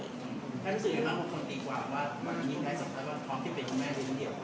แพทย์รู้สึกไหมคะคนคนดีกว่าว่า